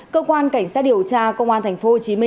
cơ quan cảnh sát điều tra công an tp hcm